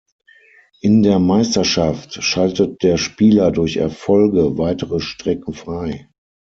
In der Meisterschaft schaltet der Spieler durch Erfolge weitere Strecken frei.